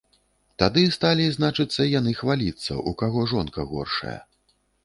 Тады сталі, значыцца, яны хваліцца, у каго жонка горшая.